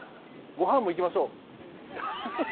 「ごはんも行きましょう」